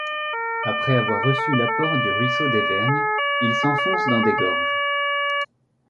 Après avoir reçu l'apport du ruisseau des Vergnes il s'enfonce dans des gorges.